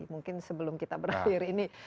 mungkin sebelum kita berakhir ini